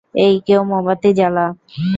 এই কেউ মোমবাতি জ্বালা!